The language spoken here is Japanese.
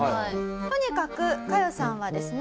とにかくカヨさんはですね